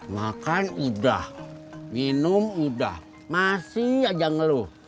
makan udah minum udah masih aja ngeluh